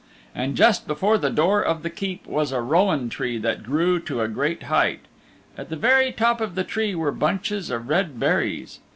And just before the door of the Keep was a Rowan Tree that grew to a great height. At the very top of the tree were bunches of red berries.